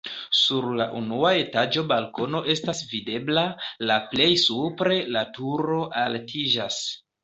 Sur la unua etaĝo balkono estas videbla, la plej supre la turo altiĝas.